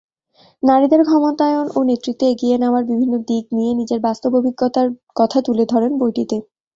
নারীদের ক্ষমতায়ন ও নেতৃত্বে এগিয়ে নেওয়ার বিভিন্ন দিক নিয়ে নিজের বাস্তব অভিজ্ঞতার কথা তুলে ধরেন বইটিতে।